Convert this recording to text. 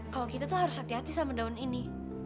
kalau kita tuh harus hati hati sama daun ini